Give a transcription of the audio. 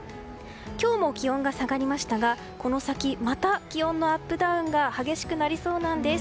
今日も気温が下がりましたがこの先、また気温のアップダウンが激しくなりそうなんです。